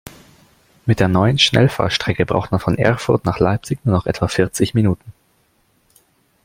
Mit der neuen Schnellfahrstrecke braucht man von Erfurt nach Leipzig nur noch etwa vierzig Minuten